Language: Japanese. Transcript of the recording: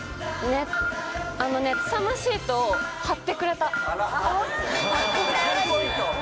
熱さまシートを貼ってくれた。